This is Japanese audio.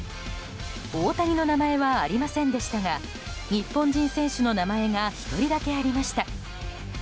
大谷の名前はありませんでしたが日本人選手の名前が１人だけありました。